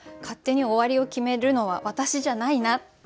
勝手に終わりを決めるのは私じゃないな。